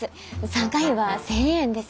参加費は１，０００円です。